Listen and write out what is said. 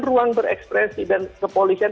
ruang berekspresi dan kepolisian